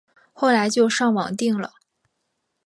所以就上网订了